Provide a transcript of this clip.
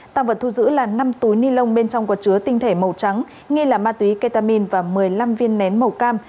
tăng vật thu giữ là năm túi ni lông bên trong có chứa tinh thể màu trắng nghi là ma túy ketamin và một mươi năm viên nén màu cam